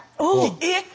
えっ！